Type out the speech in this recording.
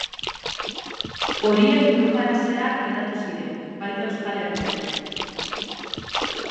Horiek Europara zehar hedatu ziren, baita Euskal Herrira ere.